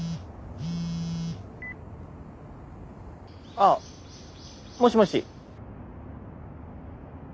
あっもしもし。